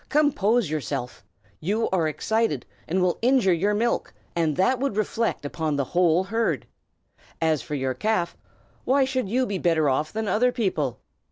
"Compose yourself! You are excited, and will injure your milk, and that would reflect upon the whole herd. As for your calf, why should you be better off than other people?